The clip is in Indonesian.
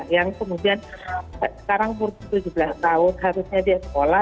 yang kemudian sekarang umur tujuh belas tahun harusnya dia sekolah